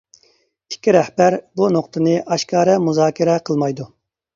ئىككى رەھبەر بۇ نۇقتىنى ئاشكارا مۇزاكىرە قىلمايدۇ.